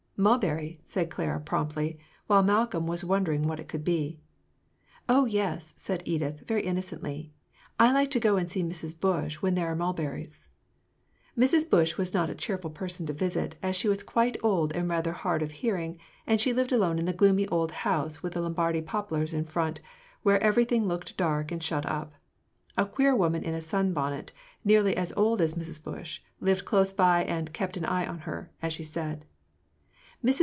"Mulberry," said Clara, promptly, while Malcolm was wondering what it could be. "Oh yes," said Edith, very innocently; "I like to go and see Mrs. Bush when there are mulberries." Mrs. Bush was not a cheerful person to visit, as she was quite old and rather hard of hearing, and she lived alone in the gloomy old house with the Lombardy poplars in front, where everything looked dark and shut up. A queer woman in a sunbonnet, nearly as old as Mrs. Bush, lived close by, and "kept an eye on her," as she said. Mrs.